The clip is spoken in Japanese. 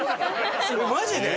マジで！？